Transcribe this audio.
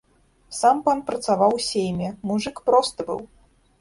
Сам пан працаваў у сейме, мужык просты быў!